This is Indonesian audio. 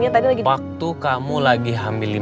apalagi suaminya tadi lagi waktu kamu lagi hamilnya suami